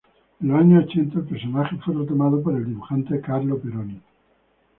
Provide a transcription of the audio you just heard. En los años ochenta el personaje fue retomado por el dibujante Carlo Peroni.